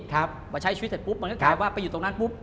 มาใช้ชีวิตเสร็จปุ๊บมันก็กลายว่าไปอยู่ตรงนั้นปุ๊บ